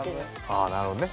ああなるほどね。